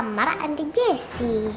kamar anti jessy